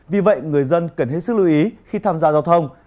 vì vậy người dân cần hết sức lưu ý khi tham gia giao thông